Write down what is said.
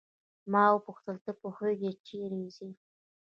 ما وپوښتل ته پوهیږې چې چیرې ځې.